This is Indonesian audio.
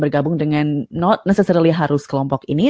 bergabung dengan not necessarily harus kelompok ini